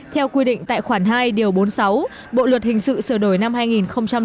theo quy định tại khoảng hai điều bốn mươi sáu bộ luật hình sự sửa đổi năm hai nghìn chín